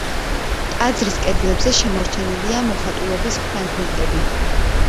ტაძრის კედლებზე შემორჩენილია მოხატულობის ფრაგმენტები.